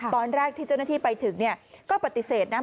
ตอนแรกที่เจ้าหน้าที่ไปถึงก็ปฏิเสธนะ